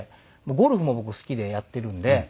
ゴルフも僕好きでやってるんで。